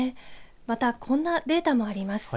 また、こんなデータもあります。